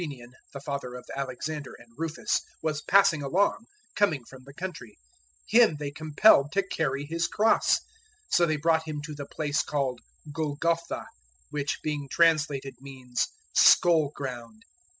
015:021 One Simon, a Cyrenaean, the father of Alexander and Rufus, was passing along, coming from the country: him they compelled to carry His cross. 015:022 So they brought Him to the place called Golgotha, which, being translated, means 'Skull ground.'